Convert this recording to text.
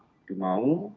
willnya tidak mau